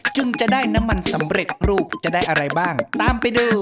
จึงจะได้น้ำมันสำเร็จรูปจะได้อะไรบ้างตามไปดู